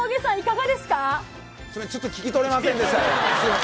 すみません、ちょっと聞き取れませんでした。